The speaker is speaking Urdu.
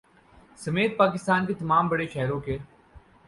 سمیت پاکستان کے تمام بڑے شہروں کے